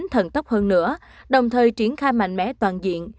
thần tốc hơn nữa đồng thời triển khai mạnh mẽ toàn diện